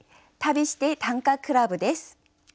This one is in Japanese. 「旅して短歌クラブ」です。